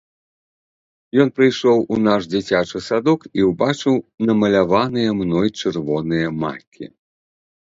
Ён прыйшоў у наш дзіцячы садок і ўбачыў намаляваныя мной чырвоныя макі.